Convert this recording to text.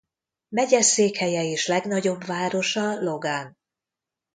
Megyeszékhelye és legnagyobb városa Logan.